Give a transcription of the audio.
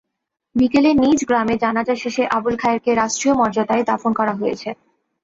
বিকেলে নিজ গ্রামে জানাজা শেষে আবুল খায়েরকে রাষ্ট্রীয় মর্যাদায় দাফন করা হয়েছে।